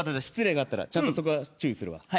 失礼があったらちゃんとそこは注意するわ。